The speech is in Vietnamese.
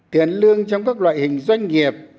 tiền lương trong các loại hình doanh nghiệp